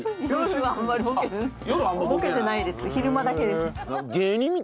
ボケてないです昼間だけです。